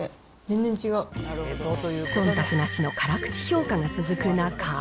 全然そんたくなしの辛口評価が続く中。